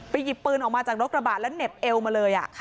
หยิบปืนออกมาจากรถกระบะแล้วเหน็บเอวมาเลย